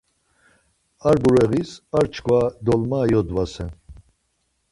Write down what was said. Ar bureğis ar çkva dolma yodvase